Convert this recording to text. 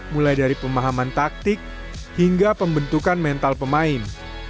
mulai dari pemahaman taktik hingga pembentukan mental pemain